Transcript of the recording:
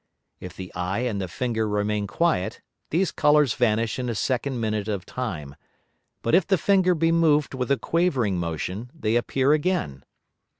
If the Eye and the Finger remain quiet these Colours vanish in a second Minute of Time, but if the Finger be moved with a quavering Motion they appear again.